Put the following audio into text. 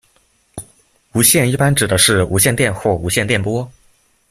无线一般指的是无线电或无线电波。